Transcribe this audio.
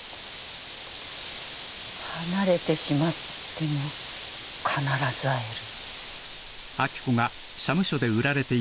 離れてしまっても必ず会える。